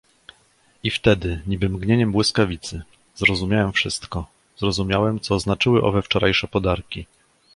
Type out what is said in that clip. "I wtedy, niby mgnieniem błyskawicy, zrozumiałem wszystko, zrozumiałem, co znaczyły owe wczorajsze podarki."